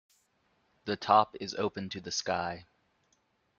The top is open to the sky.